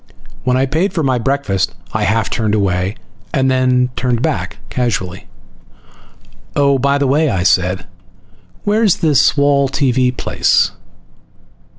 When I paid for my breakfast I half turned away, then turned back casually. "Oh, by the way," I said. "Where's this wall TV place?"